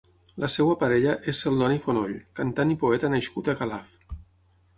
La seva parella és Celdoni Fonoll, cantant i poeta nascut a Calaf.